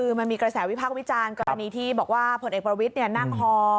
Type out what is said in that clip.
คือมันมีกระแสวิพากษ์วิจารณ์กรณีที่บอกว่าผลเอกประวิทย์นั่งฮอ